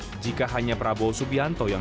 kemalahan lebih gelas adalah perusahaan karyawan